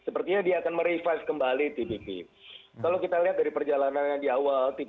pertanyaan dari pertanyaan